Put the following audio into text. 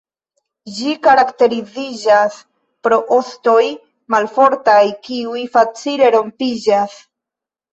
Ĝi karakteriziĝas pro ostoj malfortaj kiuj facile rompiĝas.